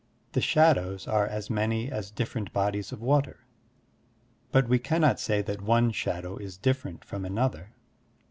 The shadows are as many as different bodies of water, but we cannot say that one shadow is different from another.